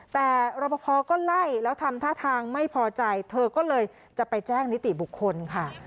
แต่รอปภก็ไล่แล้วทำท่าทางไม่พอใจเธอก็เลยจะไปแจ้งนิติบุคคลค่ะ